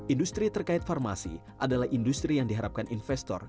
industri terkait farmasi adalah industri yang diharapkan investor